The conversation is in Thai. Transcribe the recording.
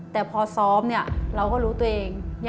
แต่พอซ้อมเราก็รู้ตัวเอง